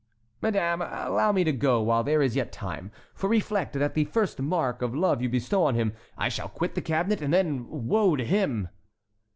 "Madame, allow me to go while there is yet time, for reflect that the first mark of love you bestow on him, I shall quit the cabinet, and then woe to him!"